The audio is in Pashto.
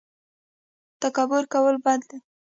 تکبر کول بد دي